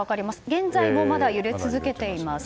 現在もまだ揺れ続けています。